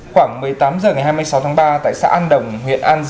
quảng một mươi tám h ngày hai mươi sáu tháng ba tại xã an đồng huyện an đồng